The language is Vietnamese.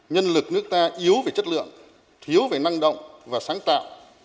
nhân lực nước ta yếu về chất lượng thiếu về năng động và sáng tạo